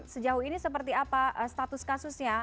sejauh ini seperti apa status kasusnya